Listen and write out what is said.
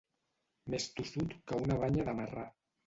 Més tossut que una banya de marrà.